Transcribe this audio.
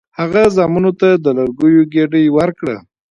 هغه زامنو ته د لرګیو ګېډۍ ورکړه.